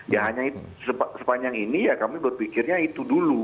ya hanya sepanjang ini ya kami berpikirnya itu dulu